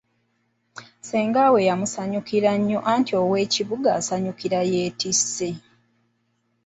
Ssenga we yamusanyukira nnyo anti ow'ekibuga asanyukira yeetisse.